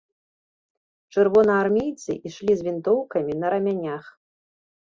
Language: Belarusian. Чырвонаармейцы ішлі з вінтоўкамі на рамянях.